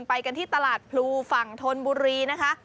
ไปกันที่ตลาดพลูฝั่งธนบุรีนะคะ